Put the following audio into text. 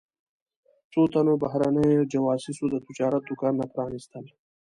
څو تنو بهرنیو جواسیسو د تجارت دوکانونه پرانیستل.